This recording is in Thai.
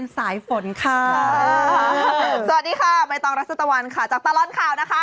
สวัสดีค่ะเชอรี่ปันเทิมแกรัมค่ะ